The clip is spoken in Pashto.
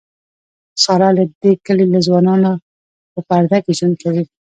ساره له د کلي له ځوانانونه په پرده کې ژوند کوي.